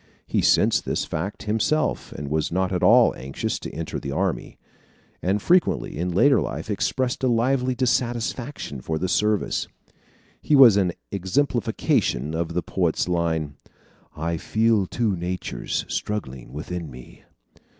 He sensed this fact himself and was not at all anxious to enter the army; and frequently in later life expressed a lively dissatisfaction for the service. He was an exemplification of the poet's line: "I feel two natures struggling within me."